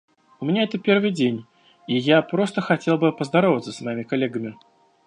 У меня это первый день, и я просто хотел бы поздороваться с моими коллегами.